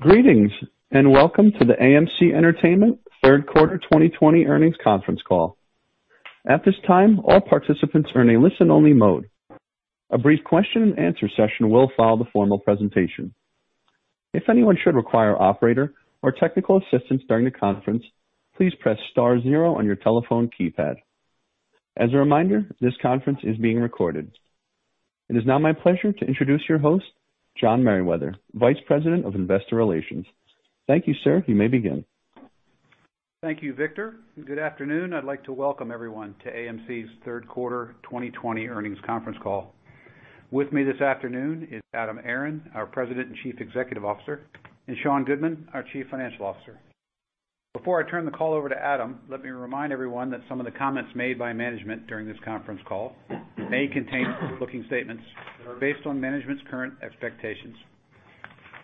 Greetings, welcome to the AMC Entertainment third quarter 2020 earnings conference call. At this time, all participants are in a listen-only mode. A brief question and answer session will follow the formal presentation. If anyone should require operator or technical assistance during the conference, please press star zero on your telephone keypad. As a reminder, this conference is being recorded. It is now my pleasure to introduce your host, John Merriwether, Vice President of Investor Relations. Thank you, sir. You may begin. Thank you, Victor, and good afternoon. I'd like to welcome everyone to AMC's third quarter 2020 earnings conference call. With me this afternoon is Adam Aron, our President and Chief Executive Officer, and Sean Goodman, our Chief Financial Officer. Before I turn the call over to Adam, let me remind everyone that some of the comments made by management during this conference call may contain forward-looking statements that are based on management's current expectations.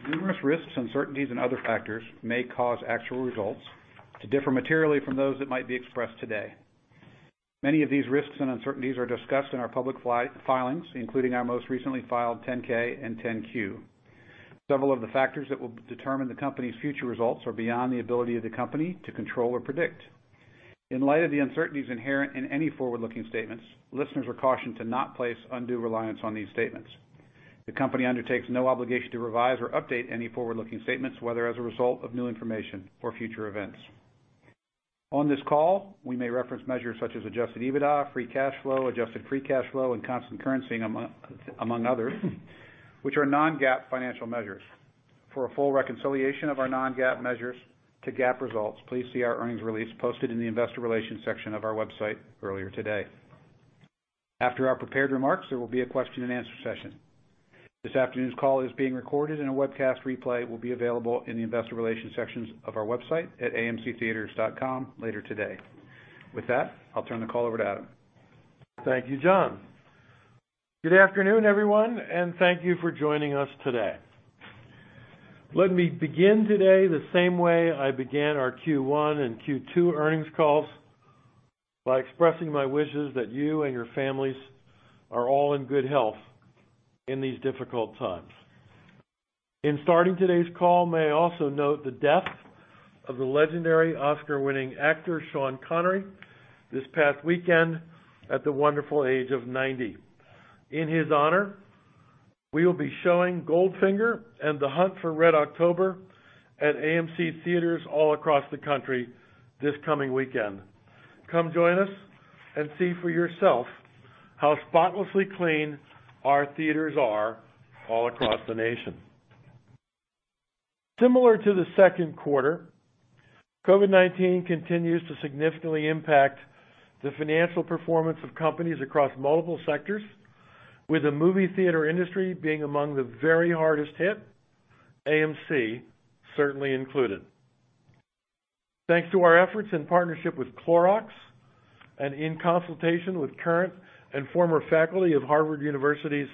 Numerous risks, uncertainties, and other factors may cause actual results to differ materially from those that might be expressed today. Many of these risks and uncertainties are discussed in our public filings, including our most recently filed 10-K and 10-Q. Several of the factors that will determine the company's future results are beyond the ability of the company to control or predict. In light of the uncertainties inherent in any forward-looking statements, listeners are cautioned to not place undue reliance on these statements. The company undertakes no obligation to revise or update any forward-looking statements, whether as a result of new information or future events. On this call, we may reference measures such as adjusted EBITDA, free cash flow, adjusted free cash flow, and constant currency among others, which are non-GAAP financial measures. For a full reconciliation of our non-GAAP measures to GAAP results, please see our earnings release posted in the investor relations section of our website earlier today. After our prepared remarks, there will be a question and answer session. This afternoon's call is being recorded and a webcast replay will be available in the investor relations sections of our website at amctheatres.com later today. With that, I'll turn the call over to Adam. Thank you, John. Good afternoon, everyone, and thank you for joining us today. Let me begin today the same way I began our Q1 and Q2 earnings calls by expressing my wishes that you and your families are all in good health in these difficult times. In starting today's call, may I also note the death of the legendary Oscar-winning actor, Sean Connery, this past weekend at the wonderful age of 90. In his honor, we will be showing "Goldfinger" and "The Hunt for Red October" at AMC Theatres all across the country this coming weekend. Come join us and see for yourself how spotlessly clean our theaters are all across the nation. Similar to the second quarter, COVID-19 continues to significantly impact the financial performance of companies across multiple sectors. With the movie theater industry being among the very hardest hit, AMC certainly included. Thanks to our efforts in partnership with Clorox and in consultation with current and former faculty of Harvard University's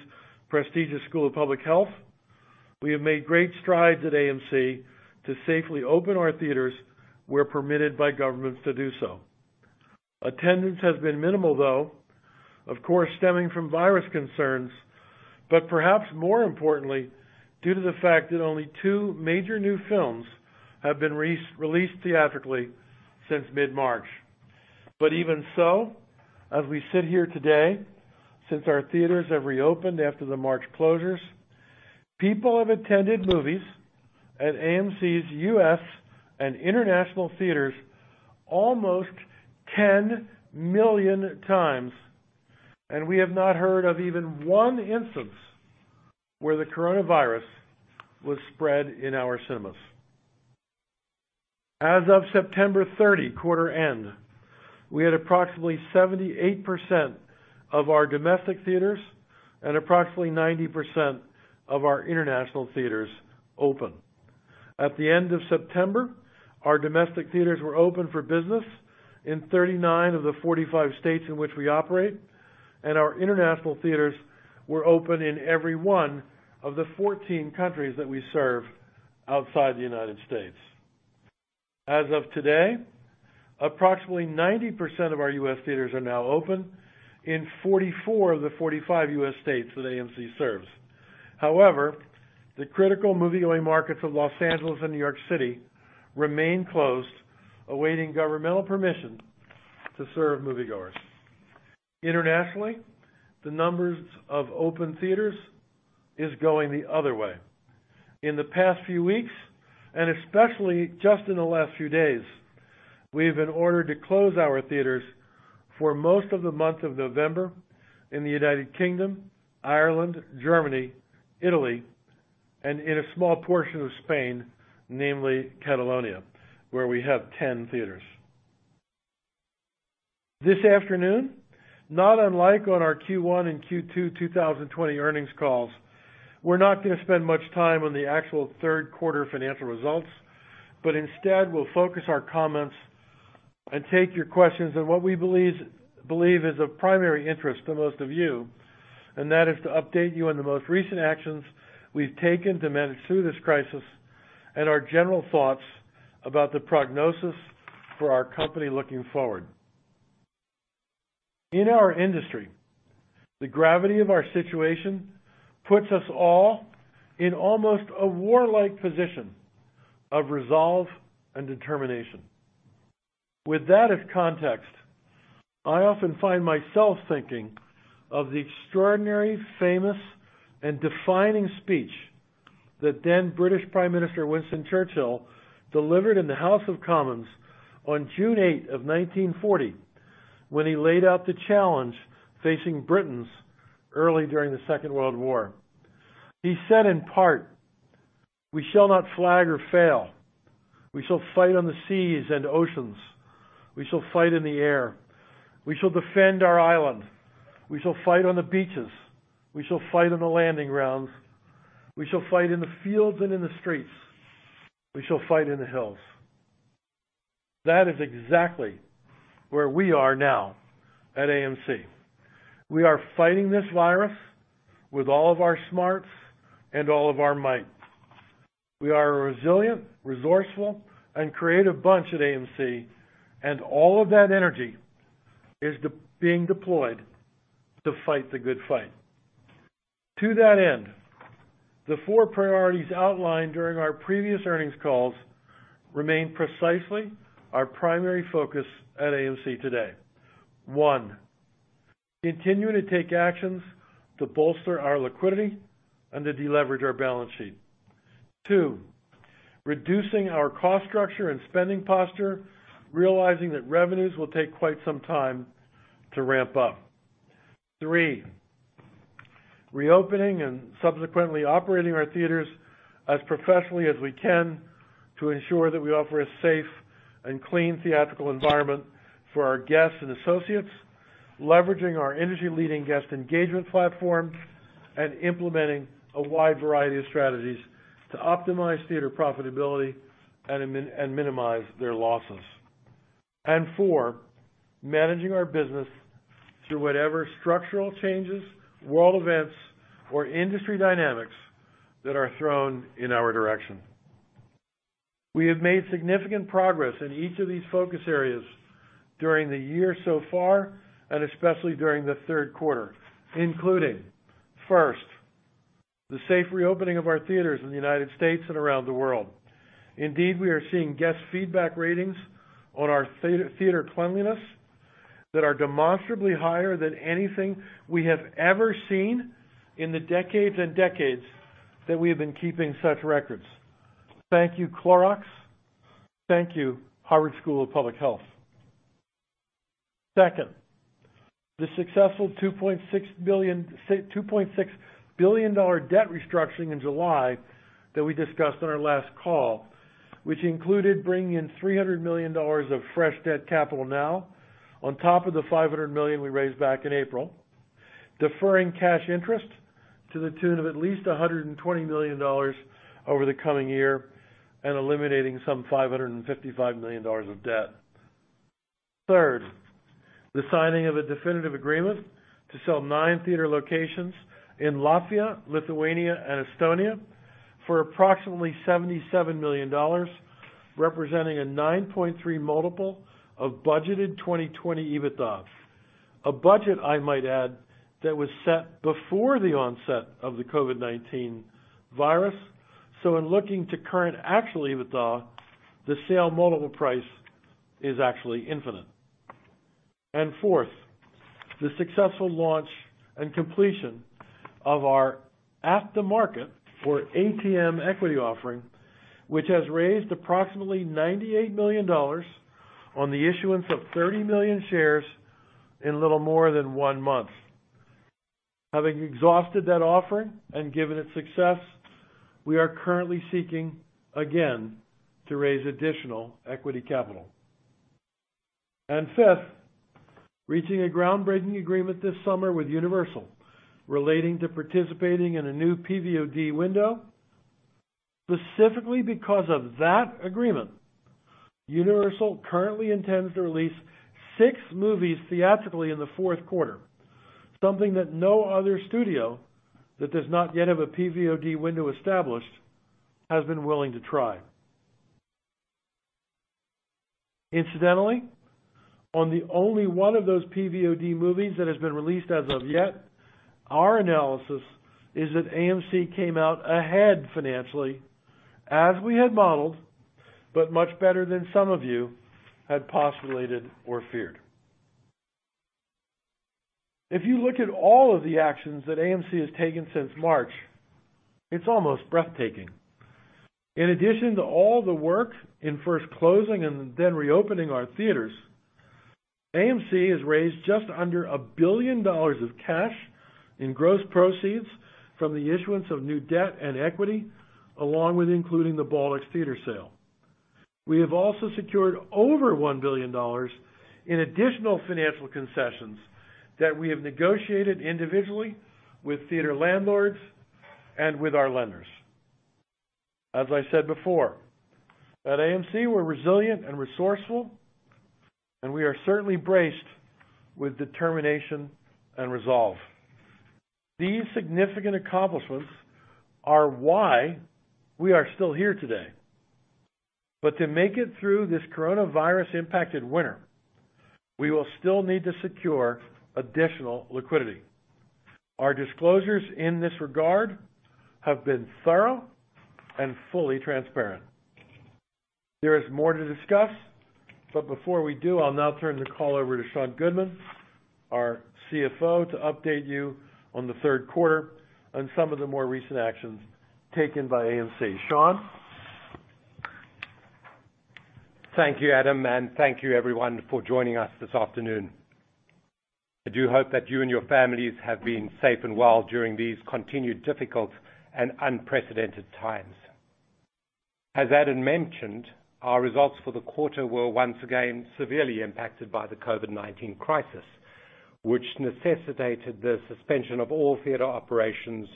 prestigious School of Public Health, we have made great strides at AMC to safely open our theaters, we're permitted by governments to do so. Attendance has been minimal, though, of course, stemming from virus concerns, but perhaps more importantly, due to the fact that only two major new films have been released theatrically since mid-March. Even so, as we sit here today, since our theaters have reopened after the March closures, people have attended movies at AMC's U.S. and international theaters almost 10 million times, and we have not heard of even one instance where the coronavirus was spread in our cinemas. As of September 30, quarter end, we had approximately 78% of our domestic theaters and approximately 90% of our international theaters open. At the end of September, our domestic theaters were open for business in 39 of the 45 states in which we operate, and our international theaters were open in every one of the 14 countries that we serve outside the United States. As of today, approximately 90% of our U.S. theaters are now open in 44 of the 45 U.S. states that AMC serves. However, the critical moviegoing markets of Los Angeles and New York City remain closed, awaiting governmental permission to serve moviegoers. Internationally, the numbers of open theaters is going the other way. In the past few weeks, and especially just in the last few days, we have been ordered to close our theaters for most of the month of November in the U.K., Ireland, Germany, Italy, and in a small portion of Spain, namely Catalonia, where we have 10 theaters. This afternoon, not unlike on our Q1 and Q2 2020 earnings calls, we're not going to spend much time on the actual third quarter financial results, but instead, we'll focus our comments and take your questions on what we believe is of primary interest to most of you, and that is to update you on the most recent actions we've taken to manage through this crisis and our general thoughts about the prognosis for our company looking forward. In our industry, the gravity of our situation puts us all in almost a war-like position of resolve and determination. With that as context, I often find myself thinking of the extraordinary, famous, and defining speech that then British Prime Minister Winston Churchill delivered in the House of Commons on June 8th of 1940, when he laid out the challenge facing Britain early during the Second World War. He said in part, "We shall not flag or fail. We shall fight on the seas and oceans. We shall fight in the air. We shall defend our island. We shall fight on the beaches. We shall fight on the landing grounds. We shall fight in the fields and in the streets. We shall fight in the hills." That is exactly where we are now at AMC. We are fighting this virus with all of our smarts and all of our might. We are a resilient, resourceful, and creative bunch at AMC, and all of that energy is being deployed to fight the good fight. To that end, the four priorities outlined during our previous earnings calls remain precisely our primary focus at AMC today. One, continuing to take actions to bolster our liquidity and to deleverage our balance sheet. Two, reducing our cost structure and spending posture, realizing that revenues will take quite some time to ramp up. Three, reopening and subsequently operating our theatres as professionally as we can to ensure that we offer a safe and clean theatrical environment for our guests and associates, leveraging our industry-leading guest engagement platform and implementing a wide variety of strategies to optimize theatre profitability and minimize their losses. Four, managing our business through whatever structural changes, world events, or industry dynamics that are thrown in our direction. We have made significant progress in each of these focus areas during the year so far, and especially during the third quarter, including, first, the safe reopening of our theatres in the U.S. and around the world. Indeed, we are seeing guest feedback ratings on our theater cleanliness that are demonstrably higher than anything we have ever seen in the decades and decades that we have been keeping such records. Thank you, Clorox. Thank you, Harvard School of Public Health. Second, the successful $2.6 billion debt restructuring in July that we discussed on our last call, which included bringing in $300 million of fresh debt capital now, on top of the $500 million we raised back in April, deferring cash interest to the tune of at least $120 million over the coming year and eliminating some $555 million of debt. Third, the signing of a definitive agreement to sell nine theater locations in Latvia, Lithuania, and Estonia for approximately $77 million, representing a 9.3x of budgeted 2020 EBITDA, a budget I might add that was set before the onset of the COVID-19 virus. In looking to current actual EBITDA, the sale multiple price is actually infinite. Fourth, the successful launch and completion of our at-the-market or ATM equity offering, which has raised approximately $98 million on the issuance of 30 million shares in a little more than one month. Having exhausted that offering and given its success, we are currently seeking again to raise additional equity capital. Fifth, reaching a groundbreaking agreement this summer with Universal relating to participating in a new PVOD window. Specifically because of that agreement, Universal currently intends to release six movies theatrically in the fourth quarter, something that no other studio that does not yet have a PVOD window established has been willing to try. Incidentally, on the only one of those PVOD movies that has been released as of yet, our analysis is that AMC came out ahead financially as we had modeled, but much better than some of you had postulated or feared. If you look at all of the actions that AMC has taken since March, it's almost breathtaking. In addition to all the work in first closing and then reopening our theaters, AMC has raised just under $1 billion of cash in gross proceeds from the issuance of new debt and equity, along with including the Baltics theater sale. We have also secured over $1 billion in additional financial concessions that we have negotiated individually with theater landlords and with our lenders. As I said before, at AMC, we're resilient and resourceful, and we are certainly braced with determination and resolve. These significant accomplishments are why we are still here today. To make it through this coronavirus-impacted winter, we will still need to secure additional liquidity. Our disclosures in this regard have been thorough and fully transparent. There is more to discuss, before we do, I'll now turn the call over to Sean Goodman, our CFO, to update you on the third quarter on some of the more recent actions taken by AMC. Sean? Thank you, Adam, and thank you everyone for joining us this afternoon. I do hope that you and your families have been safe and well during these continued difficult and unprecedented times. As Adam mentioned, our results for the quarter were once again severely impacted by the COVID-19 crisis, which necessitated the suspension of all theater operations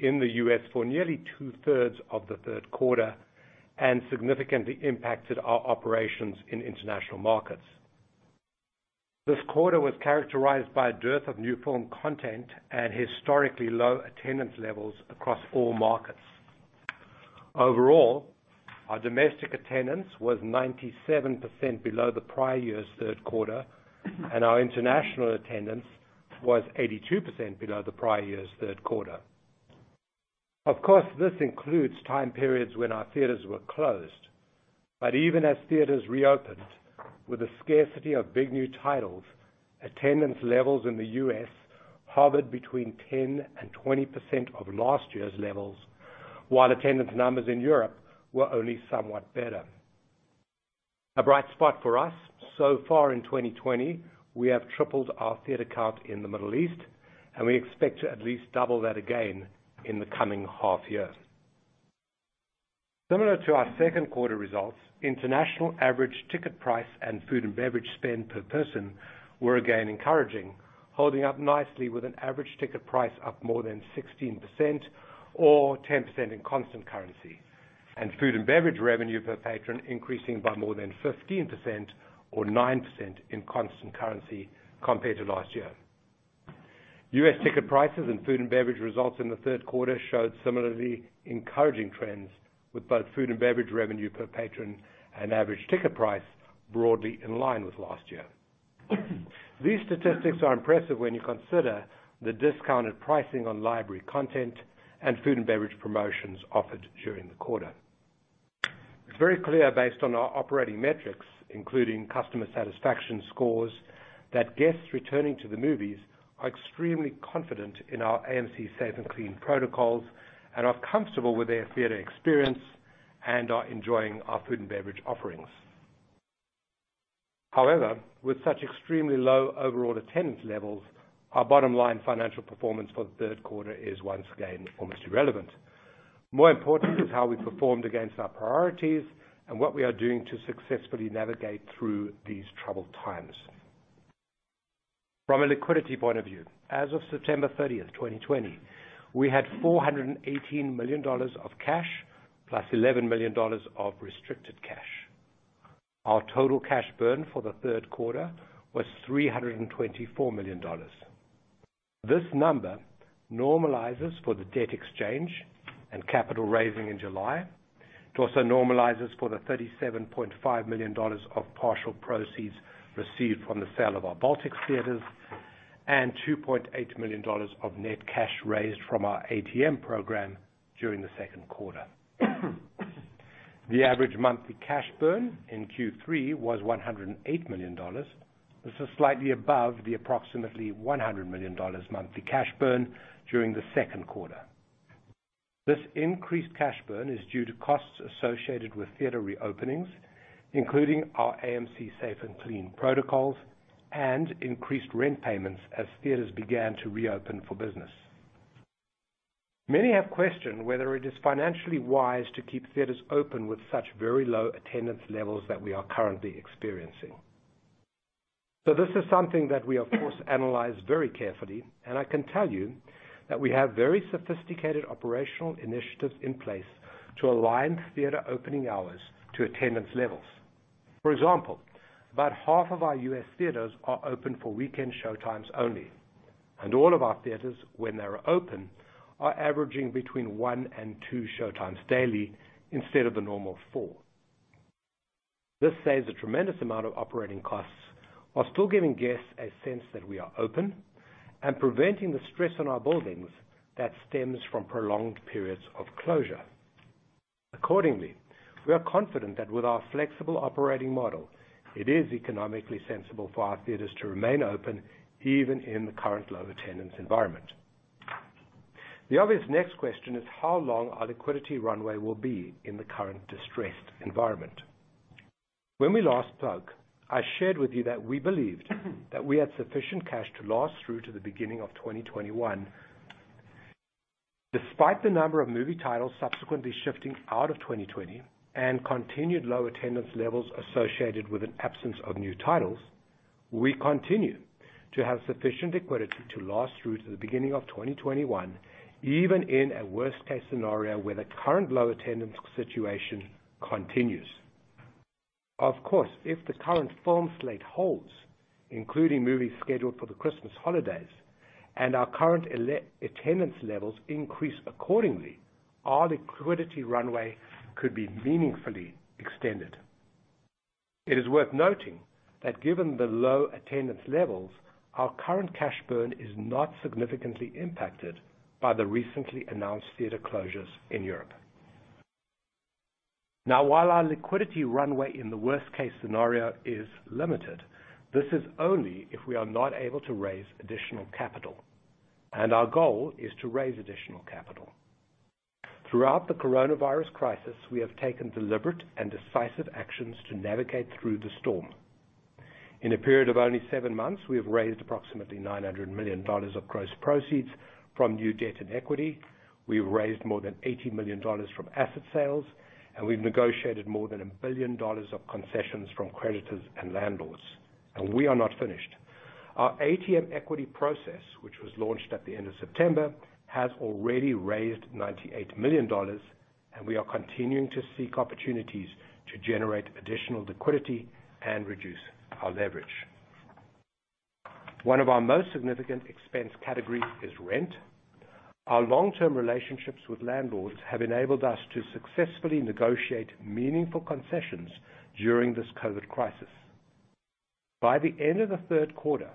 in the U.S. for nearly two-thirds of the third quarter and significantly impacted our operations in international markets. This quarter was characterized by a dearth of new film content and historically low attendance levels across all markets. Overall, our domestic attendance was 97% below the prior year's third quarter, and our international attendance was 82% below the prior year's third quarter. Of course, this includes time periods when our theaters were closed, but even as theaters reopened with a scarcity of big new titles, attendance levels in the U.S. hovered between 10% and 20% of last year's levels, while attendance numbers in Europe were only somewhat better. A bright spot for us, so far in 2020, we have tripled our theater count in the Middle East, and we expect to at least double that again in the coming half year. Similar to our second quarter results, international average ticket price and food and beverage spend per person were again encouraging, holding up nicely with an average ticket price up more than 16% or 10% in constant currency, and food and beverage revenue per patron increasing by more than 15% or 9% in constant currency compared to last year. U.S. ticket prices and food and beverage results in the third quarter showed similarly encouraging trends with both food and beverage revenue per patron and average ticket price broadly in line with last year. These statistics are impressive when you consider the discounted pricing on library content and food and beverage promotions offered during the quarter. It's very clear based on our operating metrics, including customer satisfaction scores, that guests returning to the movies are extremely confident in our AMC Safe & Clean protocols and are comfortable with their theater experience and are enjoying our food and beverage offerings. With such extremely low overall attendance levels, our bottom line financial performance for the third quarter is once again almost irrelevant. More important is how we performed against our priorities and what we are doing to successfully navigate through these troubled times. From a liquidity point of view, as of September 30th, 2020, we had $418 million of cash plus $11 million of restricted cash. Our total cash burn for the third quarter was $324 million. This number normalizes for the debt exchange and capital raising in July. It also normalizes for the $37.5 million of partial proceeds received from the sale of our Baltics theaters and $2.8 million of net cash raised from our ATM program during the second quarter. The average monthly cash burn in Q3 was $108 million. This is slightly above the approximately $100 million monthly cash burn during the second quarter. This increased cash burn is due to costs associated with theater reopenings, including our AMC Safe & Clean protocols and increased rent payments as theaters began to reopen for business. Many have questioned whether it is financially wise to keep theaters open with such very low attendance levels that we are currently experiencing. This is something that we, of course, analyze very carefully, and I can tell you that we have very sophisticated operational initiatives in place to align theater opening hours to attendance levels. For example, about half of our U.S. theaters are open for weekend showtimes only, and all of our theaters, when they're open, are averaging between one and two showtimes daily instead of the normal four. This saves a tremendous amount of operating costs while still giving guests a sense that we are open and preventing the stress on our buildings that stems from prolonged periods of closure. Accordingly, we are confident that with our flexible operating model, it is economically sensible for our theaters to remain open even in the current low attendance environment. The obvious next question is how long our liquidity runway will be in the current distressed environment. When we last spoke, I shared with you that we believed that we had sufficient cash to last through to the beginning of 2021. Despite the number of movie titles subsequently shifting out of 2020 and continued low attendance levels associated with an absence of new titles, we continue to have sufficient liquidity to last through to the beginning of 2021, even in a worst-case scenario where the current low attendance situation continues. Of course, if the current film slate holds, including movies scheduled for the Christmas holidays, and our current attendance levels increase accordingly, our liquidity runway could be meaningfully extended. It is worth noting that given the low attendance levels, our current cash burn is not significantly impacted by the recently announced theater closures in Europe. Now while our liquidity runway in the worst-case scenario is limited, this is only if we are not able to raise additional capital. Our goal is to raise additional capital. Throughout the coronavirus crisis, we have taken deliberate and decisive actions to navigate through the storm. In a period of only seven months, we have raised approximately $900 million of gross proceeds from new debt and equity. We have raised more than $80 million from asset sales, and we've negotiated more than $1 billion of concessions from creditors and landlords. We are not finished. Our ATM equity process, which was launched at the end of September, has already raised $98 million, and we are continuing to seek opportunities to generate additional liquidity and reduce our leverage. One of our most significant expense categories is rent. Our long-term relationships with landlords have enabled us to successfully negotiate meaningful concessions during this COVID-19 crisis. By the end of the third quarter,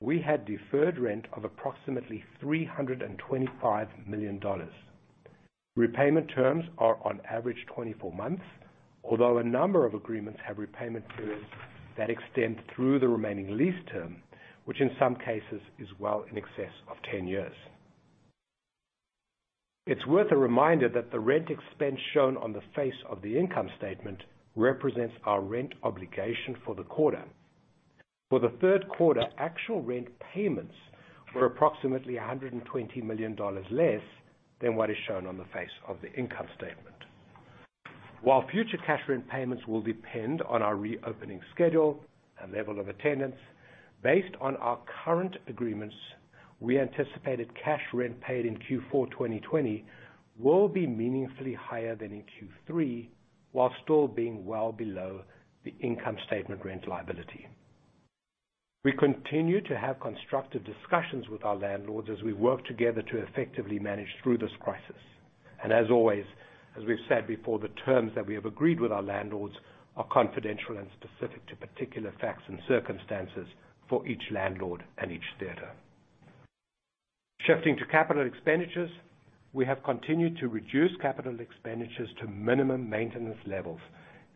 we had deferred rent of approximately $325 million. Repayment terms are on average 24 months, although a number of agreements have repayment periods that extend through the remaining lease term, which in some cases is well in excess of 10 years. It's worth a reminder that the rent expense shown on the face of the income statement represents our rent obligation for the quarter. For the third quarter, actual rent payments were approximately $120 million less than what is shown on the face of the income statement. While future cash rent payments will depend on our reopening schedule and level of attendance, based on our current agreements, we anticipated cash rent paid in Q4 2020 will be meaningfully higher than in Q3 while still being well below the income statement rent liability. We continue to have constructive discussions with our landlords as we work together to effectively manage through this crisis. As always, as we've said before, the terms that we have agreed with our landlords are confidential and specific to particular facts and circumstances for each landlord and each theater. Shifting to capital expenditures, we have continued to reduce capital expenditures to minimum maintenance levels,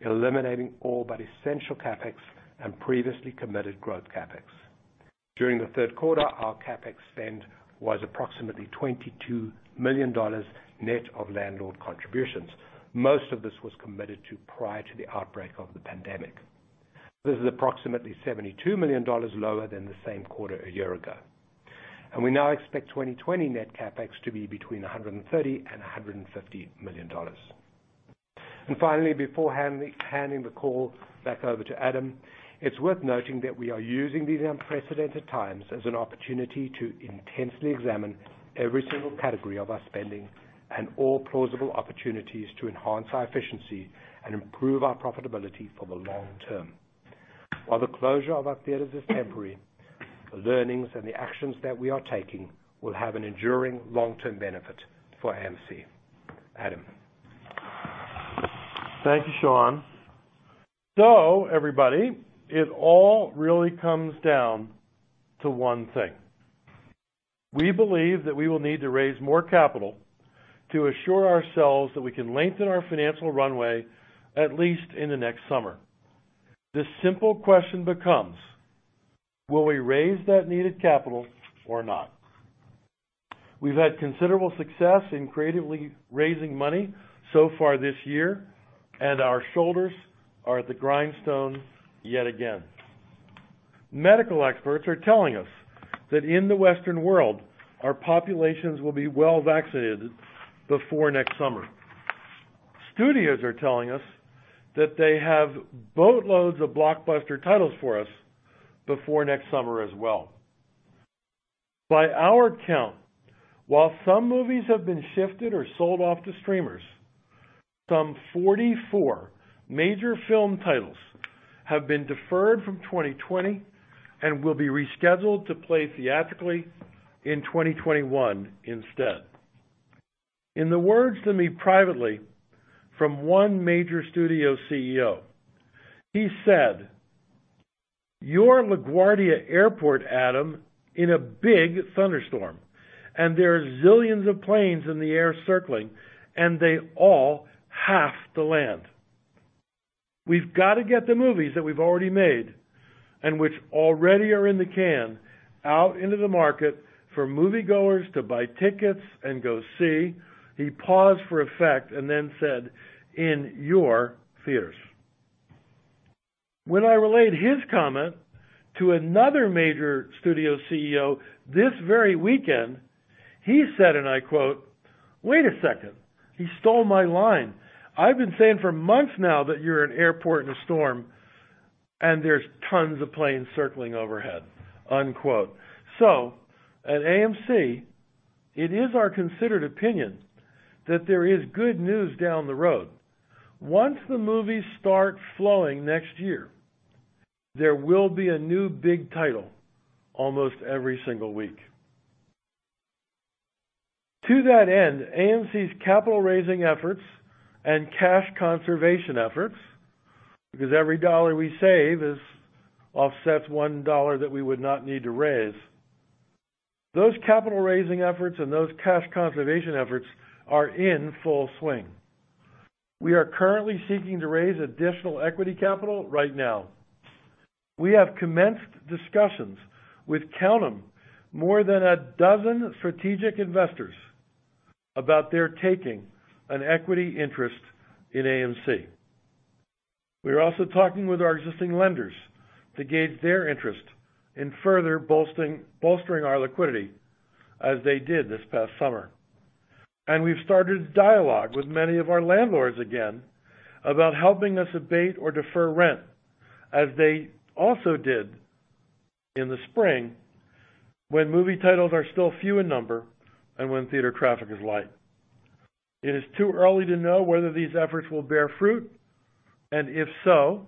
eliminating all but essential CapEx and previously committed growth CapEx. During the third quarter, our CapEx spend was approximately $22 million net of landlord contributions. Most of this was committed to prior to the outbreak of the pandemic. This is approximately $72 million lower than the same quarter a year ago. We now expect 2020 net CapEx to be between $130 million and $150 million. Finally, before handing the call back over to Adam, it's worth noting that we are using these unprecedented times as an opportunity to intensely examine every single category of our spending and all plausible opportunities to enhance our efficiency and improve our profitability for the long term. While the closure of our theaters is temporary, the learnings and the actions that we are taking will have an enduring long-term benefit for AMC. Adam? Thank you, Sean. Everybody, it all really comes down to one thing. We believe that we will need to raise more capital to assure ourselves that we can lengthen our financial runway, at least in the next summer. The simple question becomes, will we raise that needed capital or not? We've had considerable success in creatively raising money so far this year, and our shoulders are at the grindstone yet again. Medical experts are telling us that in the Western world, our populations will be well-vaccinated before next summer. Studios are telling us that they have boatloads of blockbuster titles for us before next summer as well. By our count, while some movies have been shifted or sold off to streamers, some 44 major film titles have been deferred from 2020 and will be rescheduled to play theatrically in 2021 instead. In the words to me privately from one major studio CEO, he said, "You're LaGuardia Airport, Adam, in a big thunderstorm, and there are zillions of planes in the air circling, and they all have to land. We've got to get the movies that we've already made, and which already are in the can, out into the market for moviegoers to buy tickets and go see." He paused for effect and then said, "In your theaters." When I relayed his comment to another major studio CEO this very weekend, he said, and I quote, "Wait a second. He stole my line. I've been saying for months now that you're an airport in a storm." "And there's tons of planes circling overhead." Unquote. At AMC, it is our considered opinion that there is good news down the road. Once the movies start flowing next year, there will be a new big title almost every single week. To that end, AMC's capital-raising efforts and cash conservation efforts, because every dollar we save offsets one dollar that we would not need to raise. Those capital-raising efforts and those cash conservation efforts are in full swing. We are currently seeking to raise additional equity capital right now. We have commenced discussions with, count them, more than a dozen strategic investors about their taking an equity interest in AMC. We are also talking with our existing lenders to gauge their interest in further bolstering our liquidity, as they did this past summer. We've started dialogue with many of our landlords again about helping us abate or defer rent, as they also did in the spring, when movie titles are still few in number and when theater traffic is light. It is too early to know whether these efforts will bear fruit, and if so,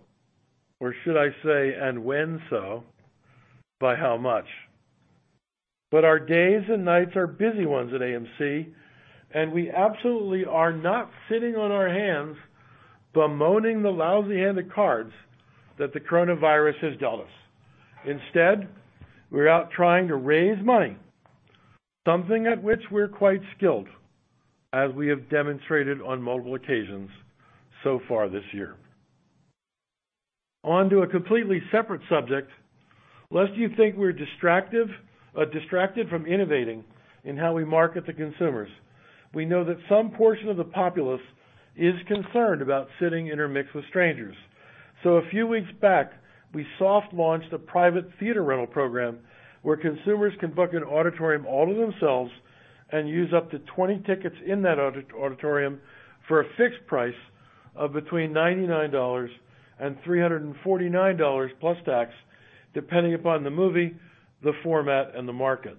or should I say, and when so, by how much. Our days and nights are busy ones at AMC, and we absolutely are not sitting on our hands bemoaning the lousy hand of cards that the coronavirus has dealt us. Instead, we're out trying to raise money, something at which we're quite skilled, as we have demonstrated on multiple occasions so far this year. On to a completely separate subject. Lest you think we're distracted from innovating in how we market to consumers, we know that some portion of the populace is concerned about sitting intermixed with strangers. A few weeks back, we soft-launched a private theater rental program where consumers can book an auditorium all to themselves and use up to 20 tickets in that auditorium for a fixed price of between $99 and $349 plus tax, depending upon the movie, the format, and the market.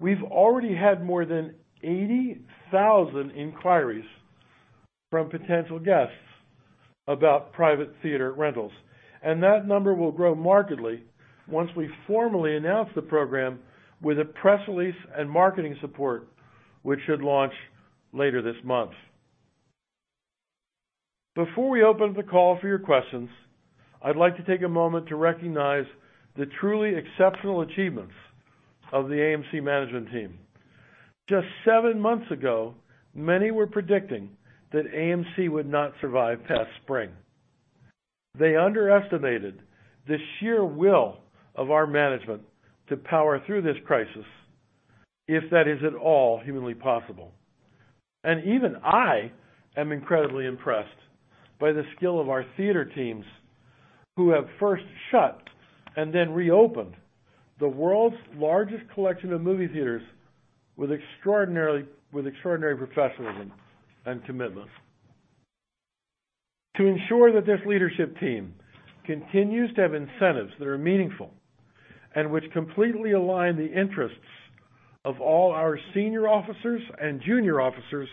We've already had more than 80,000 inquiries from potential guests about private theater rentals, and that number will grow markedly once we formally announce the program with a press release and marketing support, which should launch later this month. Before we open the call for your questions, I'd like to take a moment to recognize the truly exceptional achievements of the AMC management team. Just seven months ago, many were predicting that AMC would not survive past spring. They underestimated the sheer will of our management to power through this crisis, if that is at all humanly possible. Even I am incredibly impressed by the skill of our theater teams who have first shut and then reopened the world's largest collection of movie theaters with extraordinary professionalism and commitment. To ensure that this leadership team continues to have incentives that are meaningful and which completely align the interests of all our senior officers and junior officers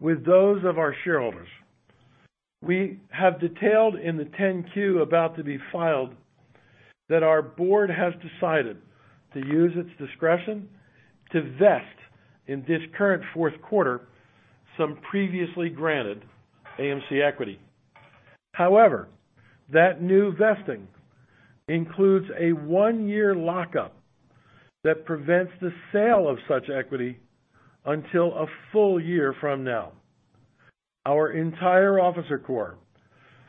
with those of our shareholders. We have detailed in the 10-Q about to be filed that our board has decided to use its discretion to vest in this current fourth quarter some previously granted AMC equity. However, that new vesting includes a one-year lockup that prevents the sale of such equity until a full year from now. Our entire officer corps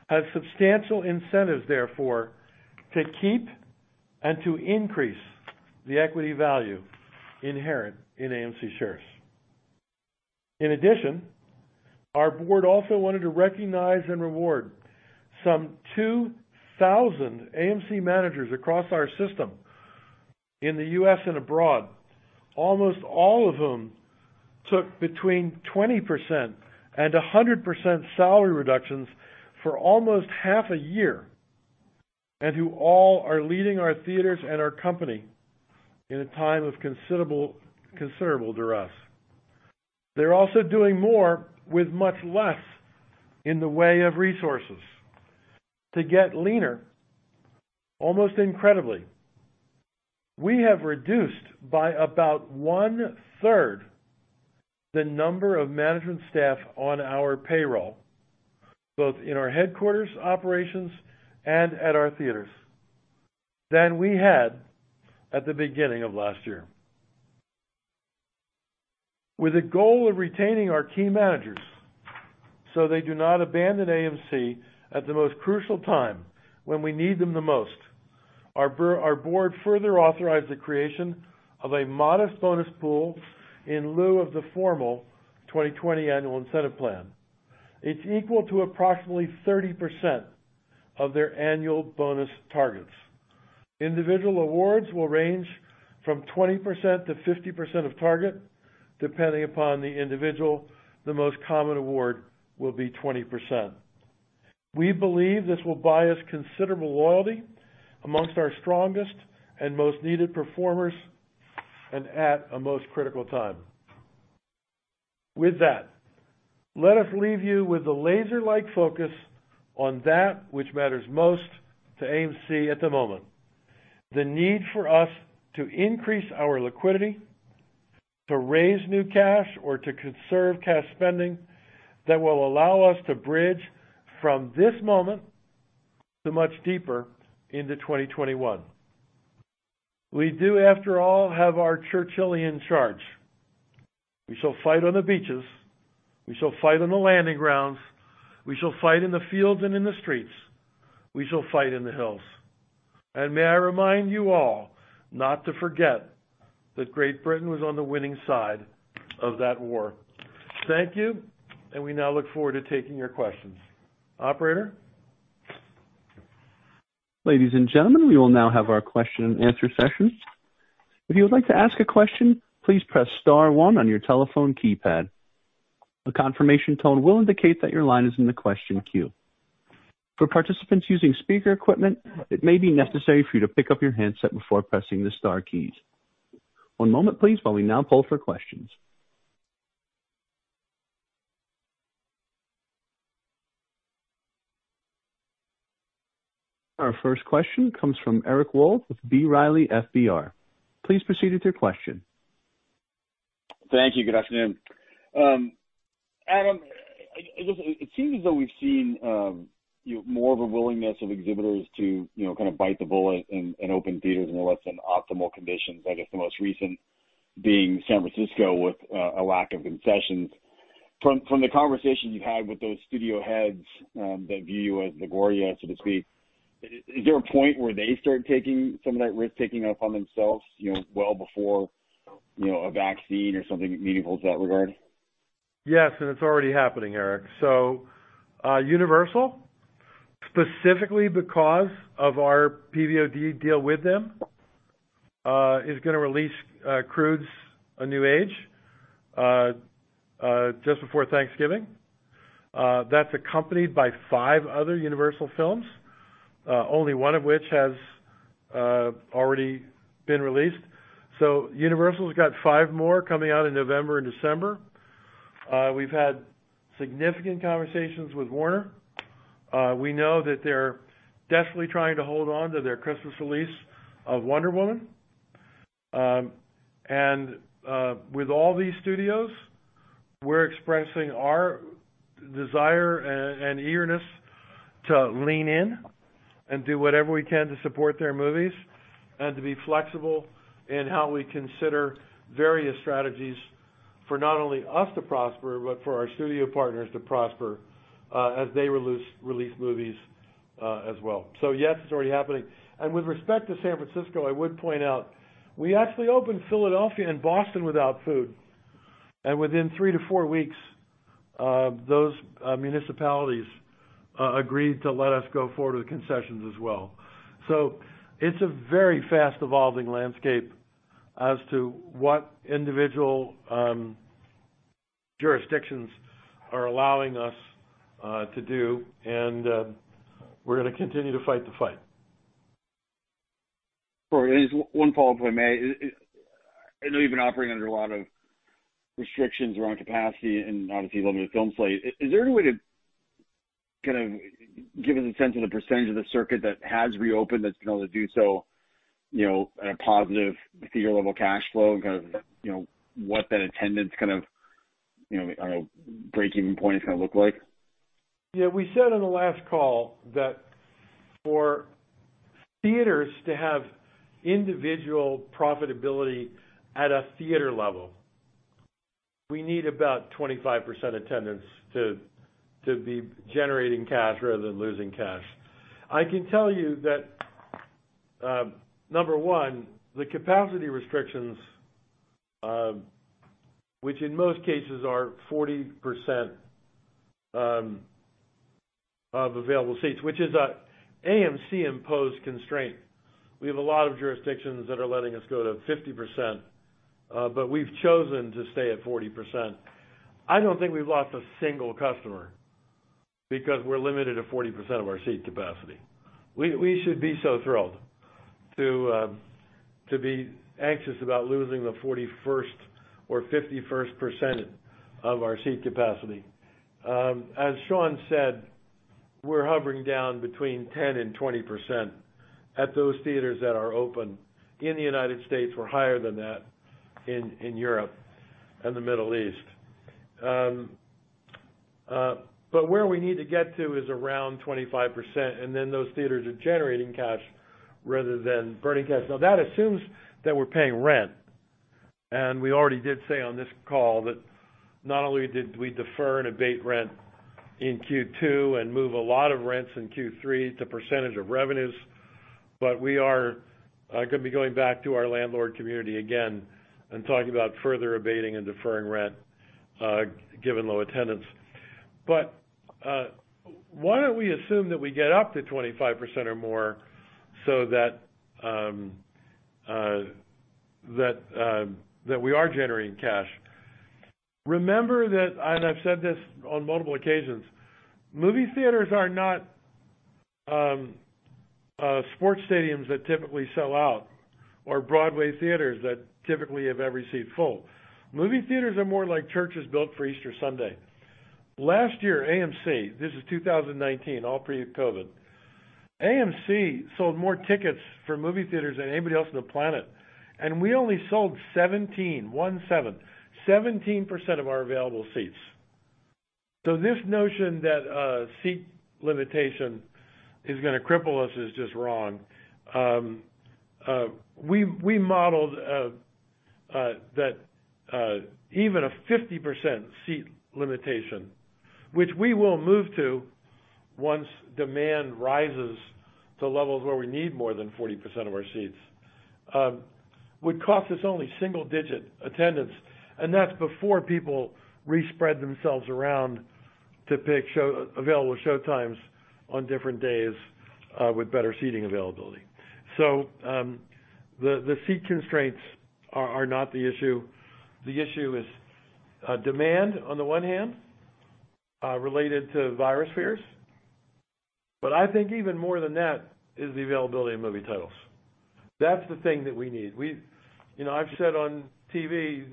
has substantial incentives, therefore, to keep and to increase the equity value inherent in AMC shares. In addition, our board also wanted to recognize and reward some 2,000 AMC managers across our system in the U.S. and abroad. Almost all of whom took between 20% and 100% salary reductions for almost half a year, and who all are leading our theaters and our company in a time of considerable duress. They're also doing more with much less in the way of resources to get leaner, almost incredibly. We have reduced by about one-third the number of management staff on our payroll, both in our headquarters operations and at our theaters, than we had at the beginning of last year. With a goal of retaining our key managers so they do not abandon AMC at the most crucial time when we need them the most, our board further authorized the creation of a modest bonus pool in lieu of the formal 2020 annual incentive plan. It's equal to approximately 30% of their annual bonus targets. Individual awards will range from 20% -50% of target, depending upon the individual. The most common award will be 20%. We believe this will buy us considerable loyalty amongst our strongest and most needed performers and at a most critical time. With that, let us leave you with a laser-like focus on that which matters most to AMC at the moment, the need for us to increase our liquidity, to raise new cash, or to conserve cash spending that will allow us to bridge from this moment to much deeper into 2021. We do, after all, have our Churchillian charge. We shall fight on the beaches, we shall fight on the landing grounds, we shall fight in the fields and in the streets, we shall fight in the hills. May I remind you all not to forget that Great Britain was on the winning side of that war. Thank you. We now look forward to taking your questions. Operator? Ladies and gentlemen, we will now have our question and answer session. If you would like to ask a question, please press star one on your telephone keypad. A confirmation tone will indicate that your line is in the question queue. For participants using speaker equipment, it may be necessary for you to pick up your handset before pressing the star keys. One moment please, while we now poll for questions. Our first question comes from Eric Wold with B. Riley FBR. Please proceed with your question. Thank you. Good afternoon. Adam, it seems as though we've seen more of a willingness of exhibitors to kind of bite the bullet and open theaters in less than optimal conditions, I guess the most recent being San Francisco with a lack of concessions. From the conversations you've had with those studio heads that view you as the guarantor, so to speak, is there a point where they start taking some of that risk-taking upon themselves, well before a vaccine or something meaningful in that regard? Yes, it's already happening, Eric. Universal, specifically because of our PVOD deal with them, is going to release "Croods: A New Age" just before Thanksgiving. That's accompanied by five other Universal films, only one of which has already been released. Universal's got five more coming out in November and December. We've had significant conversations with Warner. We know that they're desperately trying to hold on to their Christmas release of "Wonder Woman." With all these studios, we're expressing our desire and eagerness to lean in and do whatever we can to support their movies and to be flexible in how we consider various strategies for not only us to prosper, but for our studio partners to prosper as they release movies as well. Yes, it's already happening. With respect to San Francisco, I would point out, we actually opened Philadelphia and Boston without food. Within three to four weeks, those municipalities agreed to let us go forward with concessions as well. It's a very fast-evolving landscape as to what individual jurisdictions are allowing us to do, and we're going to continue to fight the fight. Sure. Just one follow-up, if I may. I know you've been operating under a lot of restrictions around capacity and obviously limited film slate. Is there any way to kind of give us a sense of the percentage of the circuit that has reopened that's been able to do so in a positive theatre-level cash flow and kind of what that attendance kind of break-even point is going to look like? Yeah. We said on the last call that for theaters to have individual profitability at a theater level, we need about 25% attendance to be generating cash rather than losing cash. I can tell you that number one, the capacity restrictions, which in most cases are 40% of available seats, which is an AMC-imposed constraint. We have a lot of jurisdictions that are letting us go to 50%, but we've chosen to stay at 40%. I don't think we've lost a single customer because we're limited to 40% of our seat capacity. We should be so thrilled to be anxious about losing the 41st or 51st percent of our seat capacity. As Sean said, we're hovering down between 10% and 20% at those theaters that are open in the U.S. We're higher than that in Europe and the Middle East. Where we need to get to is around 25%, and then those theaters are generating cash rather than burning cash. Now, that assumes that we're paying rent, and we already did say on this call that not only did we defer and abate rent in Q2 and move a lot of rents in Q3 to percentage of revenues, but we are going to be going back to our landlord community again and talking about further abating and deferring rent given low attendance. Why don't we assume that we get up to 25% or more so that we are generating cash? Remember that, and I've said this on multiple occasions, movie theaters are not sports stadiums that typically sell out or Broadway theaters that typically have every seat full. Movie theaters are more like churches built for Easter Sunday. Last year, AMC, this is 2019, all pre-COVID, AMC sold more tickets for movie theaters than anybody else on the planet, and we only sold 17, one, seven, 17% of our available seats. This notion that seat limitation is going to cripple us is just wrong. We modeled that even a 50% seat limitation, which we will move to once demand rises to levels where we need more than 40% of our seats, would cost us only single-digit attendance, and that's before people re-spread themselves around to pick available show times on different days with better seating availability. The seat constraints are not the issue. The issue is demand on the one hand related to virus fears, but I think even more than that is the availability of movie titles. That's the thing that we need. I've said on TV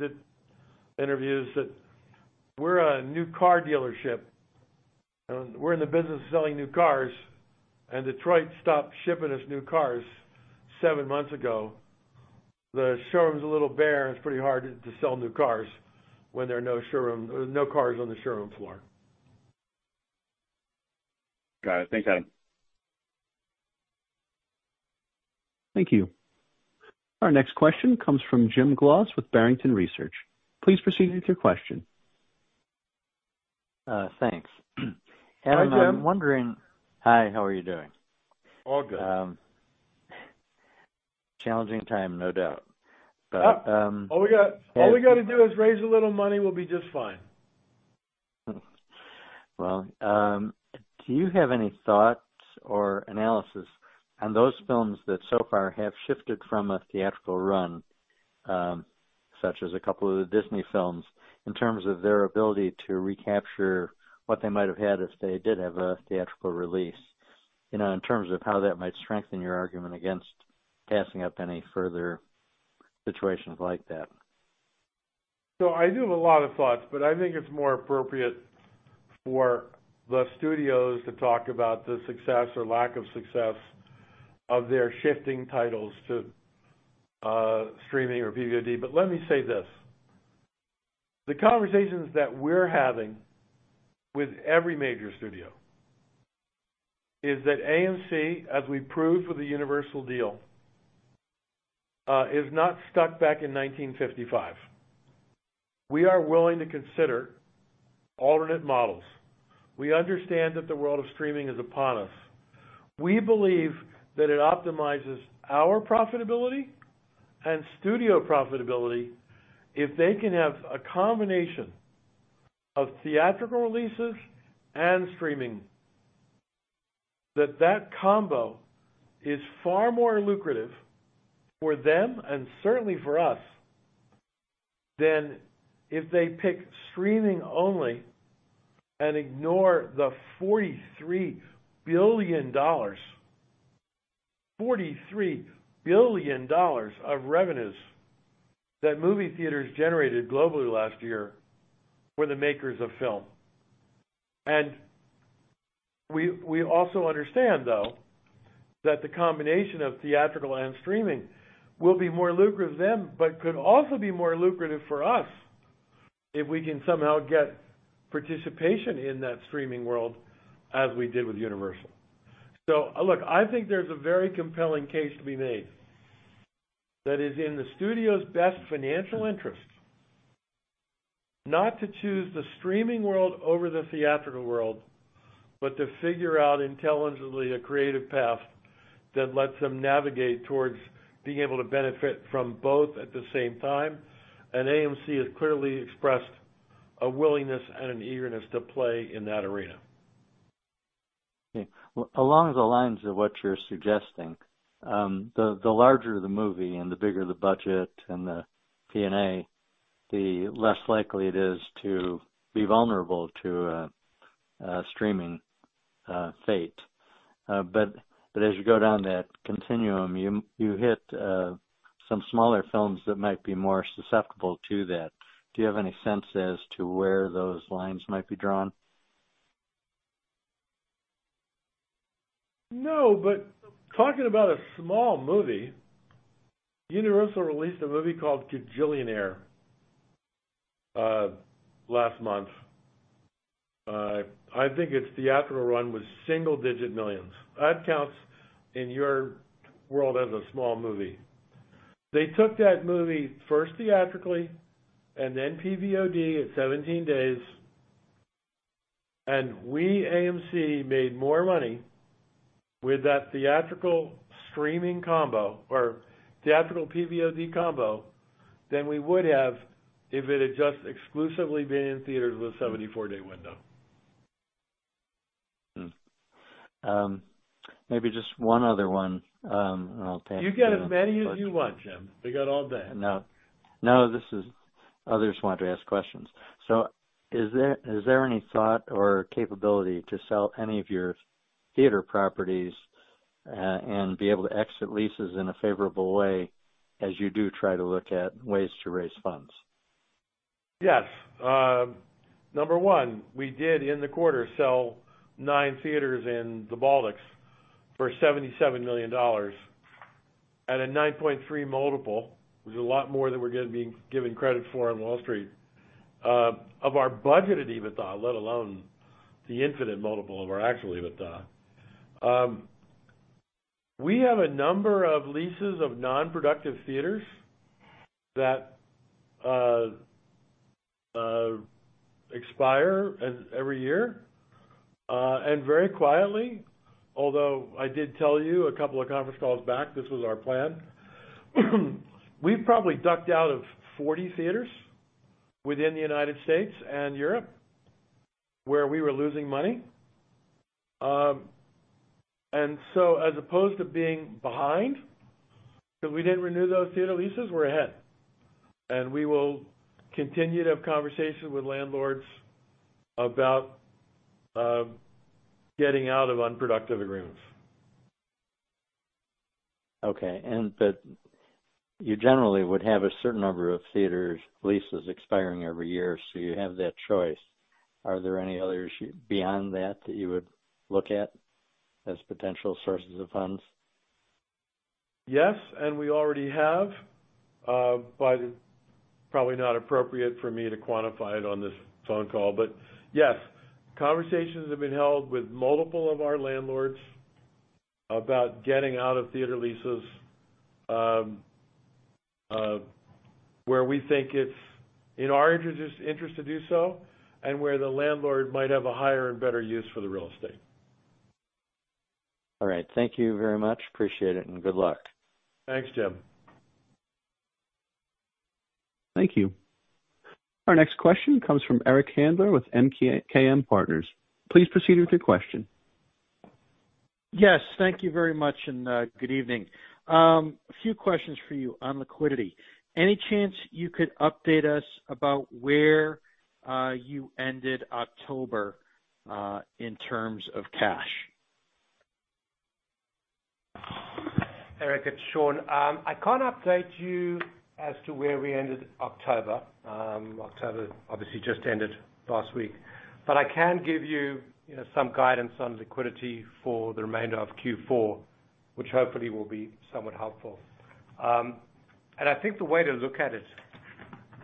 interviews that we're a new car dealership. We're in the business of selling new cars, and Detroit stopped shipping us new cars seven months ago. The showroom's a little bare, and it's pretty hard to sell new cars when there are no cars on the showroom floor. Got it. Thanks, Adam. Thank you. Our next question comes from Jim Goss with Barrington Research. Please proceed with your question. Thanks. Hi, Jim. Adam, Hi, how are you doing? All good. Challenging time, no doubt. All we got to do is raise a little money, we'll be just fine. Well, do you have any thoughts or analysis on those films that so far have shifted from a theatrical run, such as a couple of the Disney films, in terms of their ability to recapture what they might have had if they did have a theatrical release, in terms of how that might strengthen your argument against passing up any further situations like that? I do have a lot of thoughts, but I think it's more appropriate for the studios to talk about the success or lack of success of their shifting titles to streaming or PVOD. Let me say this. The conversations that we're having with every major studio is that AMC, as we've proved with the Universal deal, is not stuck back in 1955. We are willing to consider alternate models. We understand that the world of streaming is upon us. We believe that it optimizes our profitability and studio profitability if they can have a combination of theatrical releases and streaming, that that combo is far more lucrative for them and certainly for us than if they pick streaming only and ignore the $43 billion, $43 billion of revenues that movie theaters generated globally last year for the makers of film. We also understand, though, that the combination of theatrical and streaming will be more lucrative for them, but could also be more lucrative for us if we can somehow get participation in that streaming world as we did with Universal. Look, I think there's a very compelling case to be made that is in the studio's best financial interest not to choose the streaming world over the theatrical world, but to figure out intelligently a creative path that lets them navigate towards being able to benefit from both at the same time. AMC has clearly expressed a willingness and an eagerness to play in that arena. Okay. Along the lines of what you're suggesting, the larger the movie and the bigger the budget and the P&A, the less likely it is to be vulnerable to a streaming fate. As you go down that continuum, you hit some smaller films that might be more susceptible to that. Do you have any sense as to where those lines might be drawn? No, talking about a small movie, Universal released a movie called "Kajillionaire" last month. I think its theatrical run was single-digit millions. That counts in your world as a small movie. They took that movie first theatrically and then PVOD at 17 days. We, AMC, made more money with that theatrical streaming combo or theatrical PVOD combo than we would have if it had just exclusively been in theaters with a 74-day window. Maybe just one other one, and I'll pass it on. You get as many as you want, Jim. We got all day. No. Others want to ask questions. Is there any thought or capability to sell any of your theater properties, and be able to exit leases in a favorable way as you do try to look at ways to raise funds? Yes. Number one, we did in the quarter sell nine theaters in the Baltics for $77 million at a 9.3x, which is a lot more than we're being given credit for on Wall Street, of our budgeted EBITDA, let alone the infinite multiple of our actual EBITDA. We have a number of leases of non-productive theaters that expire every year. Very quietly, although I did tell you a couple of conference calls back this was our plan, we've probably ducked out of 40 theaters within the U.S. and Europe where we were losing money. As opposed to being behind because we didn't renew those theater leases, we're ahead. We will continue to have conversations with landlords about getting out of unproductive agreements. Okay. You generally would have a certain number of theater leases expiring every year, so you have that choice. Are there any others beyond that you would look at as potential sources of funds? Yes, we already have. It's probably not appropriate for me to quantify it on this phone call. Yes, conversations have been held with multiple of our landlords about getting out of theater leases, where we think it's in our interest to do so and where the landlord might have a higher and better use for the real estate. All right. Thank you very much. Appreciate it, and good luck. Thanks, Jim. Thank you. Our next question comes from Eric Handler with MKM Partners. Please proceed with your question. Yes. Thank you very much, good evening. A few questions for you on liquidity. Any chance you could update us about where you ended October in terms of cash? Eric, it's Sean. I can't update you as to where we ended October. October obviously just ended last week. I can give you some guidance on liquidity for the remainder of Q4, which hopefully will be somewhat helpful. I think the way to look at it,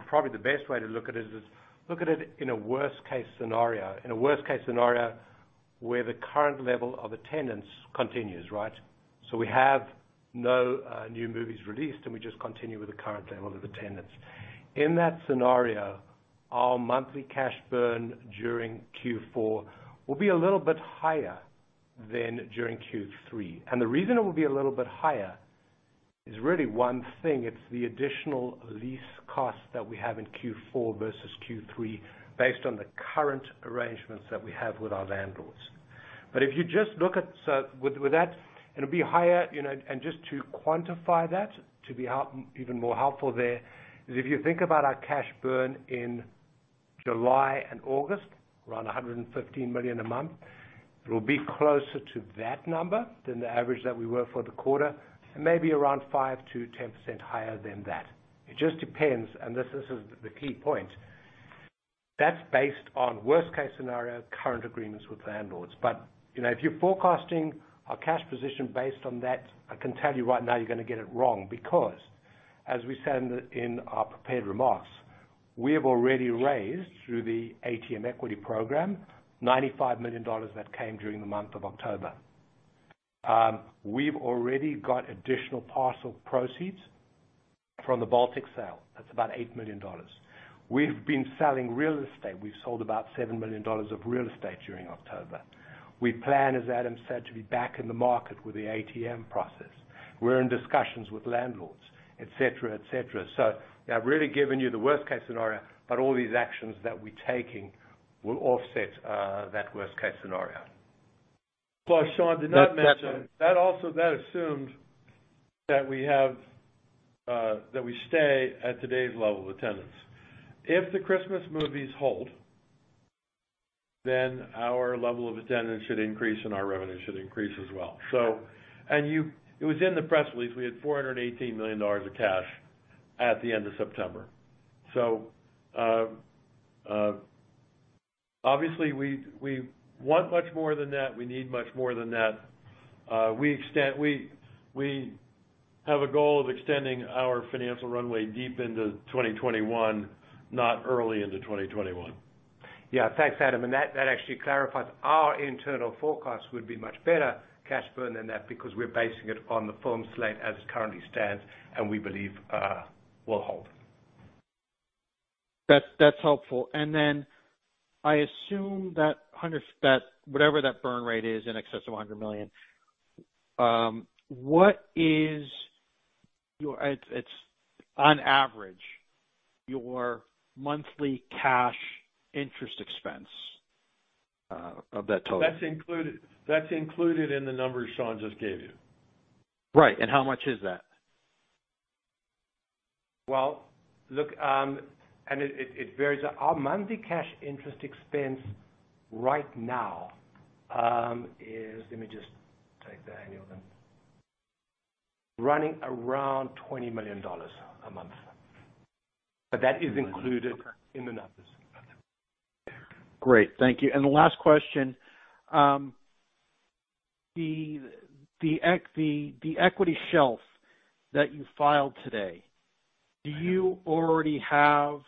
probably the best way to look at it is, look at it in a worst-case scenario where the current level of attendance continues, right? We have no new movies released, and we just continue with the current level of attendance. In that scenario, our monthly cash burn during Q4 will be a little bit higher than during Q3. The reason it will be a little bit higher is really one thing. It's the additional lease cost that we have in Q4 versus Q3 based on the current arrangements that we have with our landlords. If you just look at, so with that, it'll be higher. Just to quantify that, to be even more helpful there is if you think about our cash burn in July and August, around $115 million a month, it'll be closer to that number than the average that we were for the quarter, and maybe around 5%-10% higher than that. It just depends, this is the key point. That's based on worst-case scenario, current agreements with landlords. If you're forecasting our cash position based on that, I can tell you right now you're going to get it wrong because as we said in our prepared remarks, we have already raised through the ATM equity program $95 million that came during the month of October. We've already got additional partial proceeds from the Baltic sale. That's about $8 million. We've been selling real estate. We've sold about $7 million of real estate during October. We plan, as Adam said, to be back in the market with the ATM process. We're in discussions with landlords, et cetera. I've really given you the worst-case scenario, but all these actions that we're taking will offset that worst-case scenario. Sean did not mention that also that assumed that we stay at today's level of attendance. If the Christmas movies hold, our level of attendance should increase, our revenue should increase as well. It was in the press release. We had $418 million of cash at the end of September. Obviously we want much more than that. We need much more than that. We have a goal of extending our financial runway deep into 2021, not early into 2021. Yeah. Thanks, Adam. That actually clarifies our internal forecast would be much better cash burn than that because we're basing it on the film slate as it currently stands, and we believe will hold. That's helpful. I assume that whatever that burn rate is in excess of $100 million, what is, on average, your monthly cash interest expense of that total? That's included in the numbers Sean just gave you. Right. How much is that? Well, look, it varies. Our monthly cash interest expense right now is, let me just take the annual then, running around $20 million a month. That is included in the numbers. Great. Thank you. The last question. The equity shelf that you filed today, do you already have